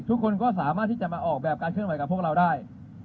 ทุกคนก็สามารถจะออกแบบการขึ้นมากับพวกเราได้